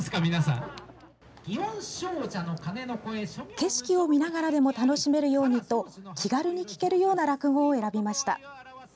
景色を見ながらでも楽しめるようにと気軽に聞けるような落語を選びました。